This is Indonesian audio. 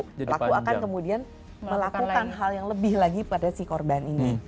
pelaku akan kemudian melakukan hal yang lebih lagi pada si korban ini